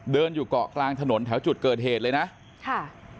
อยู่เกาะกลางถนนแถวจุดเกิดเหตุเลยนะค่ะ